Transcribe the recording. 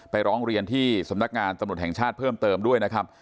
ร้องเรียนที่สำนักงานตำรวจแห่งชาติเพิ่มเติมด้วยนะครับ